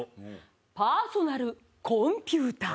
パーソナルコンピューター。